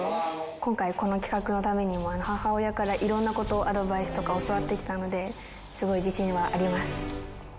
今回この企画のためにも母親から色んな事アドバイスとか教わってきたのですごい自信はあります。